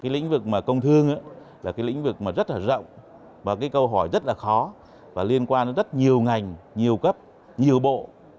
lĩnh vực công thường là lĩnh vực rất rộng và câu hỏi rất khó liên quan đến rất nhiều ngành nhiều cấp nhiều bộ